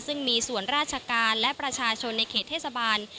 ซึ่งมีส่วนราชการและประชาชนในเขตเทศบาล